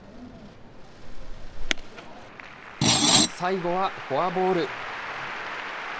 最後はフォアボール。